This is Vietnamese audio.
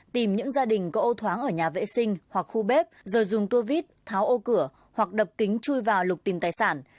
tìm những gia đình có ô thoáng ở nhà vệ sinh hoặc khu bếp rồi dùng tua vít tháo ô cửa hoặc đập kính chui vào lục tìm tài sản